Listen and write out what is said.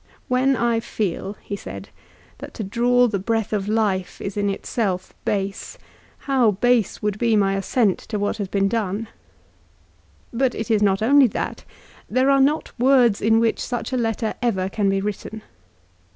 " When I feel," he said, " that to draw the breath of life is in itself base, how base would be my assent to what has been done." l " But it is not only that. There are not words in which such a letter ever can be written."